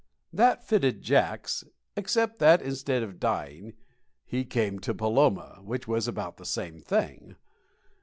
That fitted Jacks, except that, instead of dying, he came to Paloma, which was about the same thing.